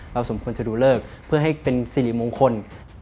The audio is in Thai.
สมควรจะดูเลิกเพื่อให้เป็นสิริมงคล